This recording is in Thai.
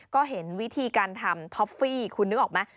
ก็เห็นวิธีการทำท็อฟฟี่คุณนึกออกไหม